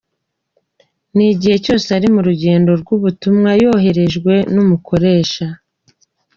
N’igihe cyose ari mu rugendo rw’ubutumwa yoherejwemo n’umukoresha.